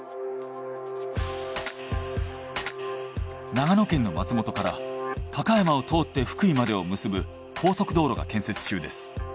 長野県の松本から高山を通って福井までを結ぶ高速道路が建設中です。